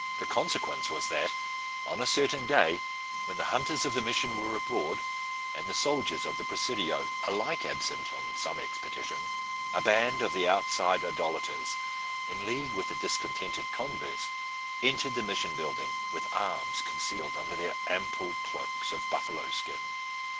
The consequence was that, on a certain day when the hunters of the mision were abroad, and the soldiers of the presidio alike absent on some expedition, a band of the outside idolaters, in league with the discontented converts, entered the mission building, with arms concealed under their ample cloaks of buffalo skin.